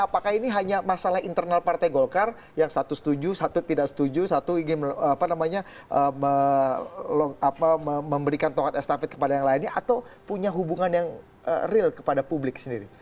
apakah ini hanya masalah internal partai golkar yang satu setuju satu tidak setuju satu ingin memberikan tongkat estafet kepada yang lainnya atau punya hubungan yang real kepada publik sendiri